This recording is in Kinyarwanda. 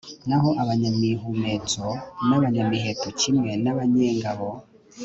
naho abanyamihumetso n'abanyamiheto kimwe n'abanyengabo